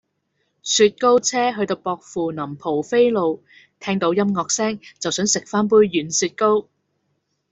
雪糕車去到薄扶林蒲飛路聽到音樂聲就想食返杯軟雪糕